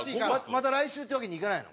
また来週ってわけにいかないの？